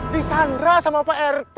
di sandra sama pak rt